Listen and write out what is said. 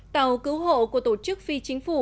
tàu cứu hộ của tổ chức phi chính phủ